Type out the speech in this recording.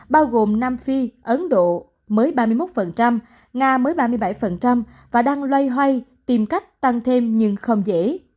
bao gồm nam phi ấn độ mới ba mươi một nga mới ba mươi bảy và đang loay hoay tìm cách tăng thêm nhưng không dễ